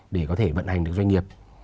để có thể vận hành được doanh nghiệp